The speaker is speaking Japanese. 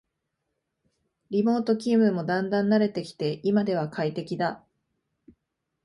リモート勤務もだんだん慣れてきて今では快適だ